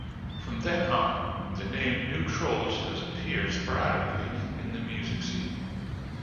From then on, the name New Trolls has appeared sporadically in the music scene.